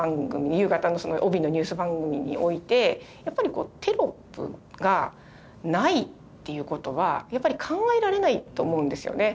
夕方の帯のニュース番組においてテロップがないっていう事はやっぱり考えられないと思うんですよね。